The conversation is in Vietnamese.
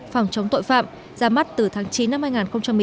phòng chống tội phạm ra mắt từ tháng chín năm hai nghìn một mươi chín